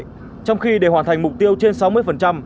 trong khi để hoàn thành mục tiêu trên sáu mươi